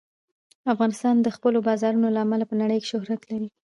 افغانستان د خپلو بارانونو له امله په نړۍ کې شهرت لري.